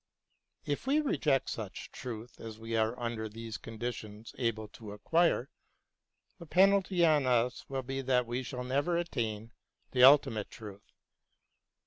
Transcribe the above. If we reject such truth as we are under these conditions able to acquire, the penalty on us will be that we shall never attain the ultimate truth.